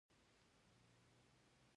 د انسان د بدني فعالیتونو لپاره وینه مهمه ده